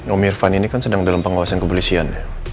om irfan ini kan sedang dalam pengawasan kepolisian